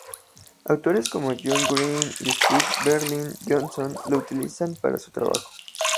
Autores como John Green y Steven Berlin Johnson lo utilizan para su trabajo.